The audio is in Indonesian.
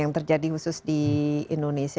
yang terjadi khusus di indonesia